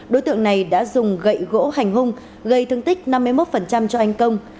đối tượng này đã dùng gậy gỗ hành hung gây thương tích năm mươi một cho anh công